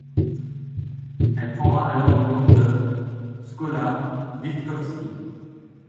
Elle prendra alors le nom de Schola Witkowski.